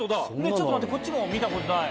ちょっと待ってこっちも見たことない。